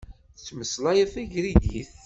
Tettmeslayeḍ tagrigit?